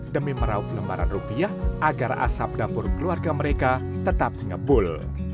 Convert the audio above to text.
demi merauk lembaran rupiah agar asap dapur keluarga mereka tetap ngebul